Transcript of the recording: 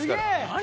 何？